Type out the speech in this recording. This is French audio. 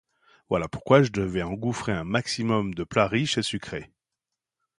Voilà pourquoi je devais engouffrer un maximum de plats riches et sucrés.